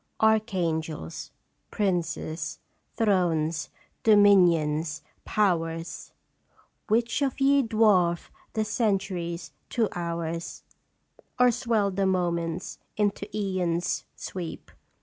Archangels, princes, thrones, dominions, powers ! Which of ye dwarf the centuries to hours, Or swell the moments into eons' sweep?